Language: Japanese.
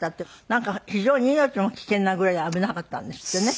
なんか非常に命も危険なぐらい危なかったんですってね。